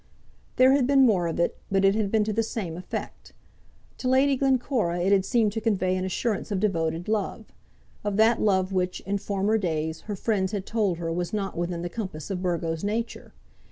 There had been more of it, but it had been to the same effect. To Lady Glencora it had seemed to convey an assurance of devoted love, of that love which, in former days, her friends had told her was not within the compass of Burgo's nature.